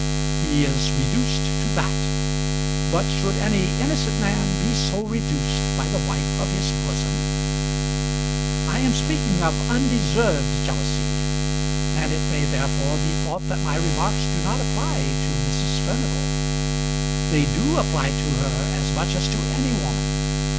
He is reduced to that! But should any innocent man be so reduced by the wife of his bosom? I am speaking of undeserved jealousy, and it may therefore be thought that my remarks do not apply to Mrs. Furnival. They do apply to her as much as to any woman.